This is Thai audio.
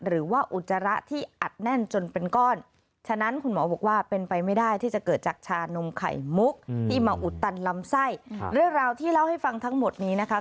เรื่องราวที่เล่าให้ฟังทั้งหมดนี้นะคะ